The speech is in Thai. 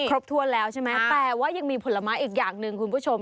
ครบถ้วนแล้วใช่ไหมแต่ว่ายังมีผลไม้อีกอย่างหนึ่งคุณผู้ชม